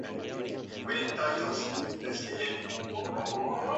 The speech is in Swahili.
Pengine hawapati nafasi ya kuielewa lugha lakini bado wana furaha